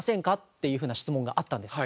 っていうふうな質問があったんです。